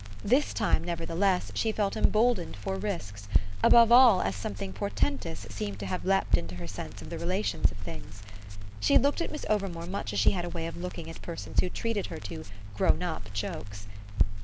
This time, nevertheless, she felt emboldened for risks; above all as something portentous seemed to have leaped into her sense of the relations of things. She looked at Miss Overmore much as she had a way of looking at persons who treated her to "grown up" jokes.